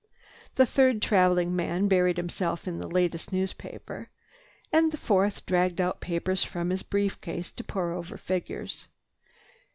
The third traveling man buried himself in the latest newspaper, and the fourth dragged out papers from his brief case to pour over figures.